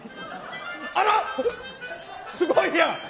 あら、すごいやん！